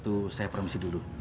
saya akan minta permisi dulu